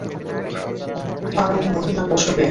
আরামে মরবি না কষ্ট পেয়ে?